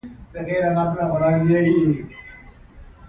الله سبحانه وتعالی ته د ډيرو وَجُو نه حــمید ویل کیږي